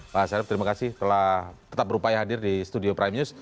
pak sarif terima kasih telah tetap berupaya hadir di studio prime news